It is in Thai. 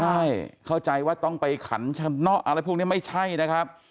ใช่เข้าใจว่าต้องไปขันชะเนาะอะไรพวกนี้ไม่ใช่นะครับ